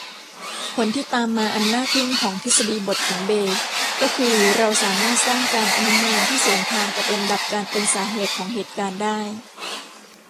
ผลที่ตามมาอันน่าทึ่งของทฤษฎีบทของเบย์ก็คือเราสามารถสร้างการอนุมานที่สวนทางกับลำดับการเป็นสาเหตุของเหตุการณ์ได้